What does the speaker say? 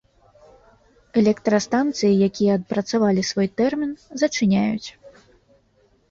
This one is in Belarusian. Электрастанцыі, якія адпрацавалі свой тэрмін, зачыняюць.